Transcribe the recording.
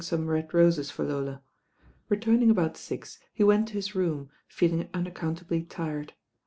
ome red ro.e, fSr IxSS^ Returning about six he went to his room, feelina unaccountably tired.